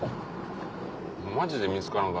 マジで見つからんか